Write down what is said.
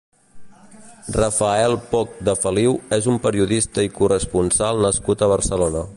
Rafael Poch-de-Feliu és un periodista i corresponsal nascut a Barcelona.